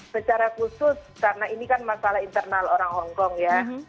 secara khusus karena ini kan masalah internal orang hongkong ya